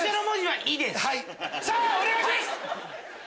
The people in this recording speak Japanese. さぁお願いします！